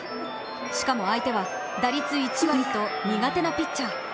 しかも相手は打率１割と苦手なピッチャー。